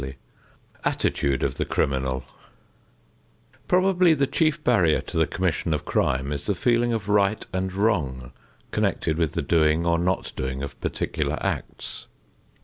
XV ATTITUDE OF THE CRIMINAL Probably the chief barrier to the commission of crime is the feeling of right and wrong connected with the doing or not doing of particular acts.